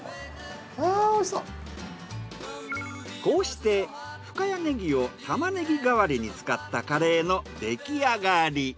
こうして深谷ねぎをタマネギ代わりに使ったカレーの出来上がり。